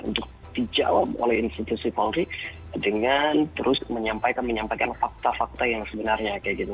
untuk dijawab oleh institusi polri dengan terus menyampaikan menyampaikan fakta fakta yang sebenarnya